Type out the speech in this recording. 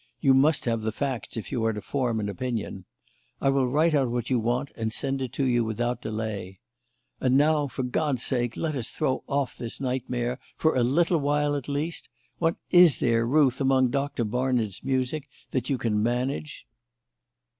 You must have the facts if you are to form an opinion. I will write out what you want and send it to you without delay. And now, for God's sake, let us throw off this nightmare, for a little while, at least! What is there, Ruth, among Doctor Barnard's music that you can manage?"